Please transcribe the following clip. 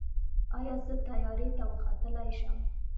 ایا زه طیارې ته وختلی شم؟